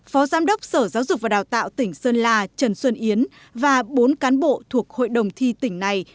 phó giám đốc sở giáo dục và đào tạo tỉnh sơn la trần xuân yến và bốn cán bộ thuộc hội đồng thi tỉnh này